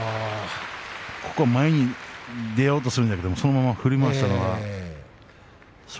前に出ようとするんですがそのまま振りました。